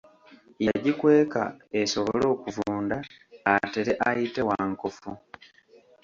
Yagikweka esobole okuvunda atere ayite wankofu.